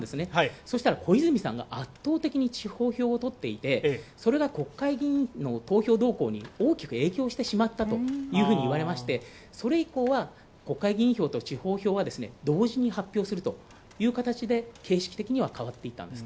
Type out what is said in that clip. そしたら、小泉さんが圧倒的に地方票を取っていて、それが国会議員の投票動向に大きく影響してしまったというふうにいわれましてそれ以降は、国会議員票と地方票は同時に発表するという形式的には変わっていったんです。